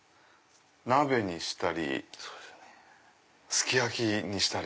鍋にしたりすき焼きにしたり。